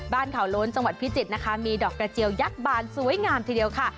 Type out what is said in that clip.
บ้านเขาโล้นจังหวัดพิจิตรนะคะมีดอกกระเจียวยักษ์บานสวยงามทีเดียวค่ะ